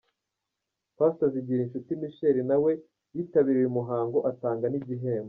Pastor Zigirinshuti Michel nawe yitabiriye uyu muhango, atanga n'igihembo.